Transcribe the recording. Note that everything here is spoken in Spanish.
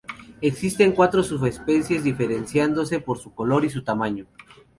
Existen cuatro subespecies, diferenciándose por su color y tamaño.